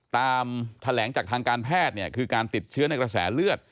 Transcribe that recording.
ตามแถลงจากทางการแพทย์เนี่ยคือการติดเชื้อในกระแสเลือด